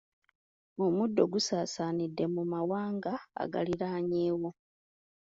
Omuddo gusaasaanidde mu mawanga agaliraanyewo.